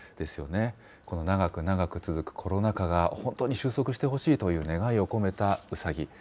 この長く長く続くコロナ禍が、本当に収束してほしいという願いを込めたうさぎ。